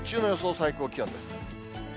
最高気温です。